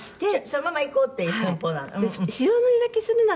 そのまま行こうっていう寸法なの？